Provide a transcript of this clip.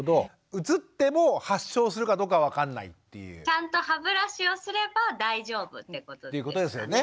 ちゃんと歯ブラシをすれば大丈夫ってこと？ということですよね。